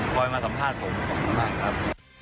คอยมาสัมภาษณ์ผมของพวกเรานะครับ